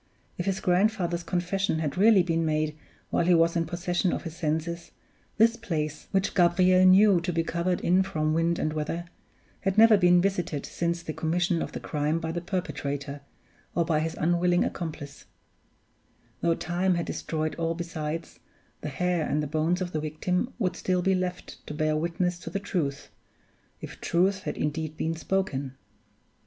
If his grandfather's confession had really been made while he was in possession of his senses, this place (which Gabriel knew to be covered in from wind and weather) had never been visited since the commission of the crime by the perpetrator, or by his unwilling accomplice; though time had destroyed all besides, the hair and the bones of the victim would still be left to bear witness to the truth if truth had indeed been spoken.